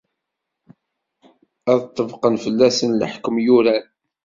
Ad ṭṭebqen fell-asen leḥkem yuran.